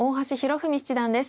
文七段です。